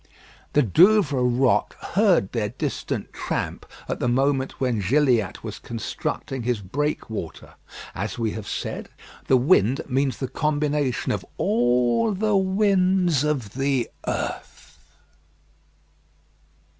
The Douvres rock heard their distant tramp at the moment when Gilliatt was constructing his breakwater. As we have said, the wind means the combination of all the winds of the earth.